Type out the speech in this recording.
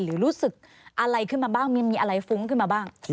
หรือรู้สึกอะไรขึ้นมาบ้างมีอะไรฟุ้งขึ้นมาบ้าง